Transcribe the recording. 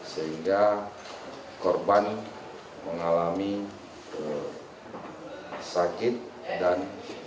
sehingga korban mengalami sakit dan